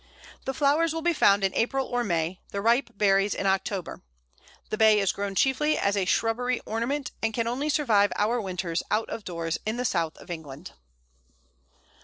The flowers will be found in April or May; the ripe berries in October. The Bay is grown chiefly as a shrubbery ornament, and can only survive our winters out of doors in the South of England.